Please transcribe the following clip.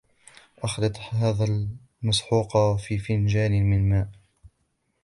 أخلط هذا المحوق في فنجان من ماء.